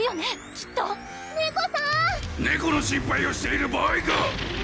きっとネコさん「ネコの心配をしている場合か！」